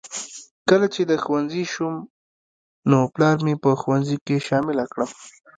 کله چې د ښوونځي شوم نو پلار مې په ښوونځي کې شامله کړم